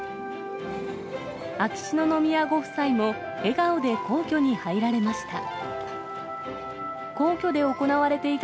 秋篠宮ご夫妻も笑顔で皇居に入られました。